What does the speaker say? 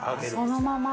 そのまま。